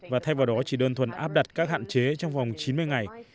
và thay vào đó chỉ đơn thuần áp đặt các hạn chế trong vòng chín mươi ngày